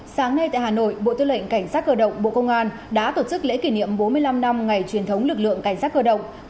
sáng nay tại hà nội bộ tư lệnh cảnh sát cơ động bộ công an đã tổ chức lễ kỷ niệm bốn mươi năm năm ngày truyền thống lực lượng cảnh sát cơ động